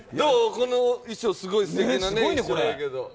この衣装、すごいすてきな衣装だけど。